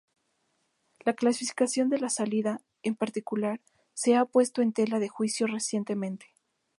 La clasificación de salida, en particular, se ha puesto en tela de juicio recientemente.